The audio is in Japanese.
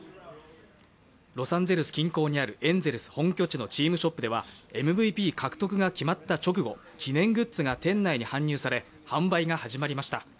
ロサンゼルス近郊にあるエンゼルス本拠地のチームショップでは、ＭＶＰ獲得が決まった直後、記念グッズが店内に搬入され販売が始まりました。